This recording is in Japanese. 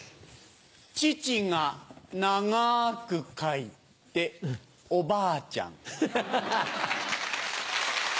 「乳」が長く書いておばあちゃん。